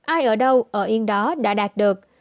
ai ở đâu ở yên đó đã đạt được